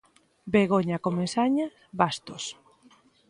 Begoña Comesaña Bastos.